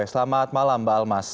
selamat malam mbak almas